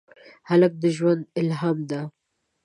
هلک د ژونده الهام دی.